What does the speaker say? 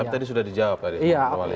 tapi tadi sudah dijawab tadi